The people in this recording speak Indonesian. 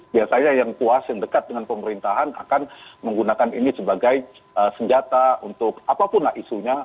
biasanya yang puas yang dekat dengan pemerintahan akan menggunakan ini sebagai senjata untuk apapun lah isunya